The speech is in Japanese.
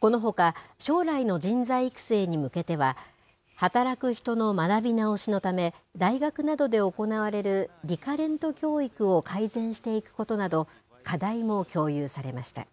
このほか、将来の人材育成に向けては、働く人の学び直しのため、大学などで行われるリカレント教育を改善していくことなど、課題も共有されました。